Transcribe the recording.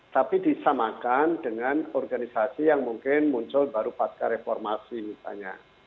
tapi disamakan dengan organisasi yang mungkin muncul baru pasca reformasi misalnya